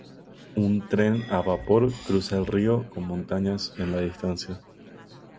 Un tren a vapor cruza el fondo, con montañas en la distancia.